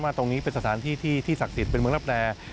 ตรงนี้เป็นสถานที่ที่ศักดิ์สิทธิ์เป็นเมืองรับแร่